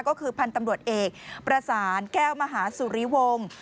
ก็คือพันธ์ตำรวจเอกประสานแก้วมหาสุริวงศ์